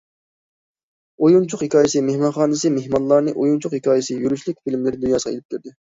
ئويۇنچۇق ھېكايىسى مېھمانخانىسى مېھمانلارنى« ئويۇنچۇق ھېكايىسى» يۈرۈشلۈك فىلىملىرى دۇنياسىغا ئېلىپ كىردى.